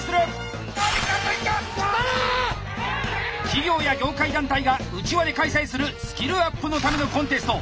企業や業界団体が内輪で開催するスキルアップのためのコンテスト。